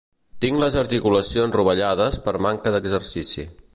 Tinc les articulacions rovellades per manca d'exercici.